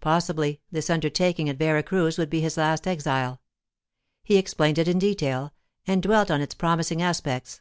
Possibly this undertaking at Vera Cruz would be his last exile; he explained it in detail, and dwelt on its promising aspects.